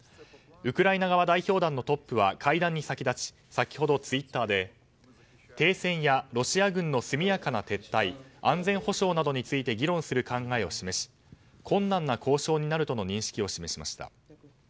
ウクライナ側代表団のトップは会談に先立ち先ほどツイッターで停戦やロシア軍の速やかな撤退安全保障などについて議論する考えを示し困難な交渉になるとの認識を示しました。